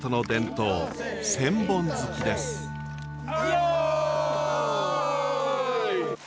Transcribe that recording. よい！